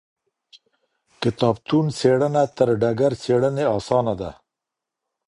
کتابتون څېړنه تر ډګر څېړنې اسانه ده.